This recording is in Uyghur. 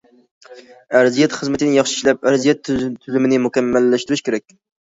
ئەرزىيەت خىزمىتىنى ياخشى ئىشلەپ، ئەرزىيەت تۈزۈمىنى مۇكەممەللەشتۈرۈش كېرەك.